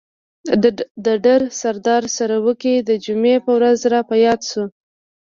د ډر سردار سروکی د جمعې په ورځ را په ياد شو.